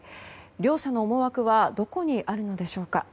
両者の思惑はどこにあるのでしょうか。